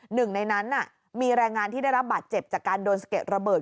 หนึ่งในนั้นมีแรงงานที่ได้รับบาดเจ็บจากการโดนสะเก็ดระเบิด